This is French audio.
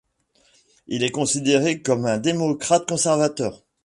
Il est considéré comme un démocrate conservateur.